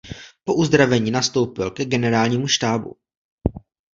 Po uzdravení nastoupil ke generálnímu štábu.